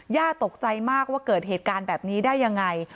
ตกใจมากว่าเกิดเหตุการณ์แบบนี้ได้ยังไง